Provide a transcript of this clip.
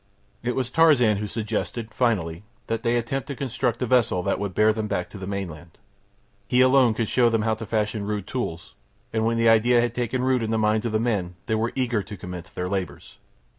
It was Tarzan who suggested, finally, that they attempt to construct a vessel that would bear them back to the mainland. He alone could show them how to fashion rude tools, and when the idea had taken root in the minds of the men they were eager to commence their labours.